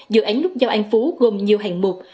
dự án nút giao an phú gồm nhiều hạng mục